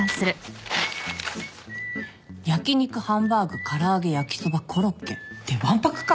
「焼肉ハンバーグ唐揚げ焼きそばコロッケ」ってわんぱくか。